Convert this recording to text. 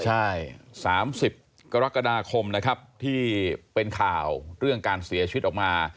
ใช่๓๐กรกฎาคมนะครับที่เป็นข่าวเรื่องการเสียชีวิตออกมา